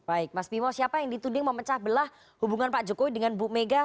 baik mas bimo siapa yang ditunding memecah belah hubungan pak jokowi dengan pemiga